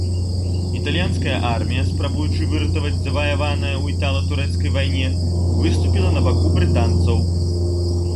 Італьянская армія, спрабуючы выратаваць заваяванае ў італа-турэцкай вайне выступіла на баку брытанцаў.